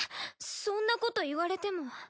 そんなこと言われても。